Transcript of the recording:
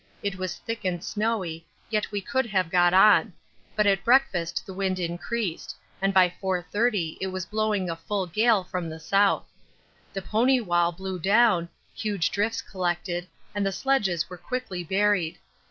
It was thick and snowy, yet we could have got on; but at breakfast the wind increased, and by 4.30 it was blowing a full gale from the south. The pony wall blew down, huge drifts collected, and the sledges were quickly buried.